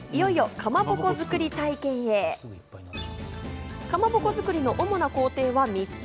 かまぼこ作りの主な工程は３つ。